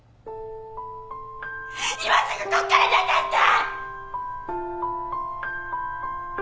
今すぐここから出てって！